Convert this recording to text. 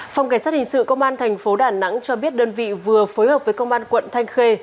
phòng cảnh sát hình sự công an thành phố đà nẵng cho biết đơn vị vừa phối hợp với công an quận thanh khê